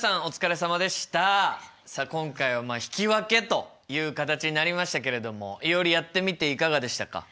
さあ今回は引き分けという形になりましたけれどもいおりやってみていかがでしたか？